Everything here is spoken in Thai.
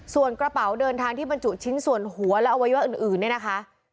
ส่วนกระเป๋าเดินทางที่บรรจุชิ้นส่วนหัวและอวัยวะอื่นเนี่ยนะคะ